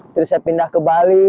terus saya pindah ke bali